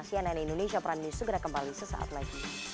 cnn indonesia prime news segera kembali sesaat lagi